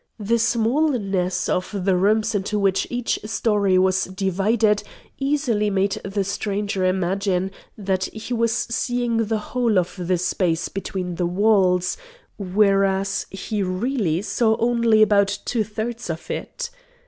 The smallness of the rooms into which each story was divided easily made the stranger imagine that he was seeing the whole of the space between the walls, whereas he really saw only about two thirds of it.